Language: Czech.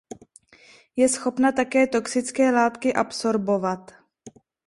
Je schopna také toxické látky absorbovat.